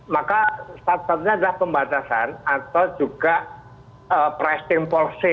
maka startup nya adalah pembatasan atau juga pricing policy